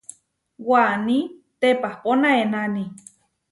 Waní teʼpapóna enáni.